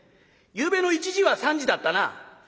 「ゆうべの１時は３時だったな？」。